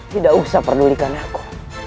tidak usah pedulikan aku